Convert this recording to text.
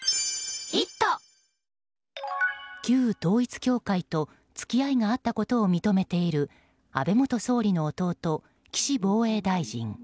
旧統一教会と付き合いがあったことを認めている安倍元総理の弟・岸防衛大臣。